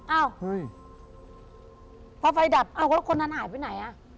อ้าวเฮ้ยพอไฟดับอ้าวแล้วคนนั้นหายไปไหนอ่ะ